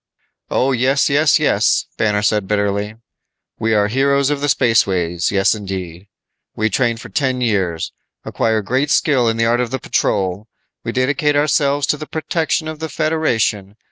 "Oh, yes, yes, yes," Banner said bitterly. "We are heroes of the spaceways; yes, indeed. We train for ten years. Acquire great skill in the art of the patrol. We dedicate ourselves to the protection of the Federation.